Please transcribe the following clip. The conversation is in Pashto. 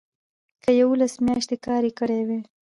که یوولس میاشتې کار یې کړی وي.